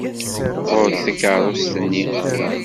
Ɣur-k takeṛṛust-nni!